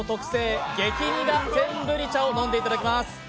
特製・激苦センブリ茶を飲んでいただきます。